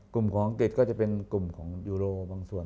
กลุ่มของอังกฤษก็จะเป็นกลุ่มของยูโรบางส่วน